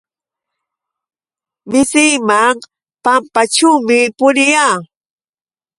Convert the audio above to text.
Masiiwan pampaćhuumi puriyaa.